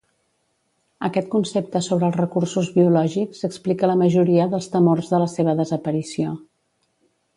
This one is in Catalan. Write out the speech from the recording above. Aquest concepte sobre els recursos biològics explica la majoria dels temors de la seva desaparició.